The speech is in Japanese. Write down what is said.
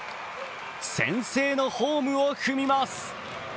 先制のホームを踏みます。